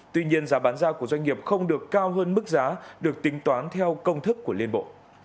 tuy nhiên giá bán ra của doanh nghiệp không được cao hơn mức giá được tính toán theo công thức của liên bộ